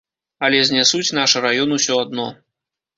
Але знясуць наш раён усё адно.